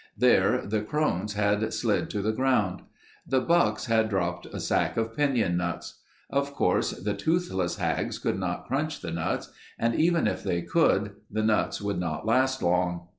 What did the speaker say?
There the crones had slid to the ground. The bucks had dropped a sack of piñon nuts. Of course, the toothless hags could not crunch the nuts and even if they could, the nuts would not last long.